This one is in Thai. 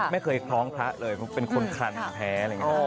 ไม่เคยคร้องพระเลยเค้าเค้ารแค้แผล